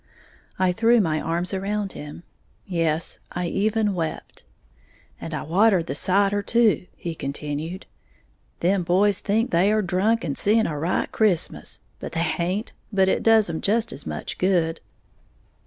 I threw my arms around him; yes, I even wept. "And I watered the cider, too," he continued; "them boys thinks they are drunk, and seeing a right Christmas, but they haint, but it does 'em just as much good!"